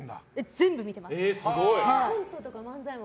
全部見てます。